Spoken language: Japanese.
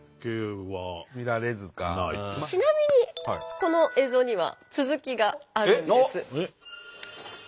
ちなみにこの映像には続きがあるんです。